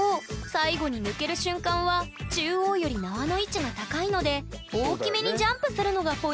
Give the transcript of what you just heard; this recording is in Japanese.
最後に抜ける瞬間は中央より縄の位置が高いので大きめにジャンプするのがポイント！